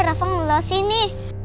rafa meluas sini